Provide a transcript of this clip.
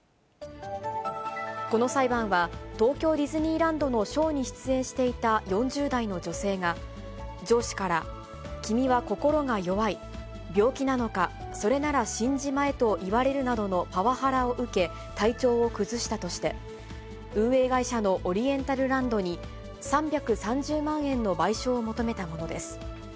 この裁判は、東京ディズニーランドのショーに出演していた４０代の女性が、上司から、君は心が弱い、病気なのか、それなら死んじまえと言われるなどのパワハラを受け、体調を崩したとして、運営会社のオリエンタルランドに３３０万円の賠償を求めたものです。